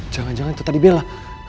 jangan jangan itu tadi bella